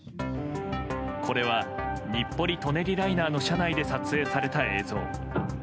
これは、日暮里・舎人ライナーの車内で撮影された映像。